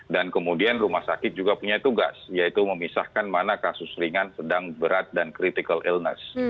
dan kemudian rumah sakit juga punya tugas yaitu memisahkan mana kasus ringan sedang berat dan critical illness